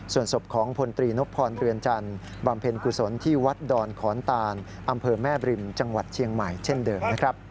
ส่วนศพของพลตรีนพพรเรือนจันทร์บำเพ็ญกุศลที่วัดดอนขอนตานอำเภอแม่บริมจังหวัดเชียงใหม่เช่นเดิมนะครับ